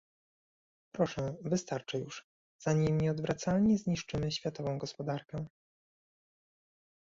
Proszę, wystarczy już, zanim nieodwracalnie zniszczymy światową gospodarkę